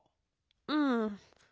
うん。